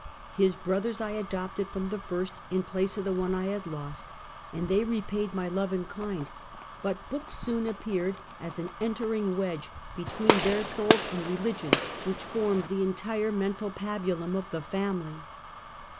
His brothers 1 adopted from the first, in place of the one I had lost, and they repaid my love in kind; but books soon appeared as an entering wedge between their souls and religion, which formed the entire men tal pabulum of the family.